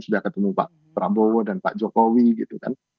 sudah ketemu pak prabowo dan pak jokowi gitu kan